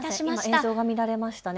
映像が乱れましたね。